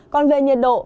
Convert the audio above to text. còn về nhiệt độ